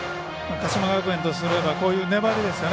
鹿島学園とすればこういう粘りですよね。